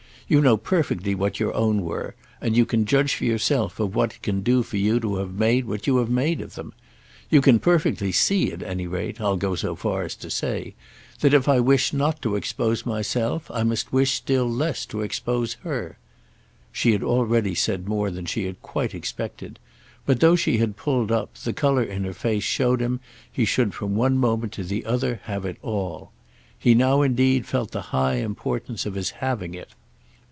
You know perfectly what your own were, and you can judge for yourself of what it can do for you to have made what you have of them. You can perfectly see, at any rate, I'll go so far as to say, that if I wish not to expose myself I must wish still less to expose her." She had already said more than she had quite expected; but, though she had also pulled up, the colour in her face showed him he should from one moment to the other have it all. He now indeed felt the high importance of his having it.